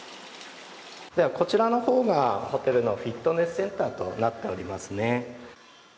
こちらの方がホテルのフィットネスセンターとなっておりますね。